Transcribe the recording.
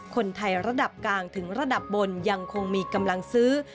คนไทยระดับกลางถึงระดับบนยังคงมีกำลังซื้อ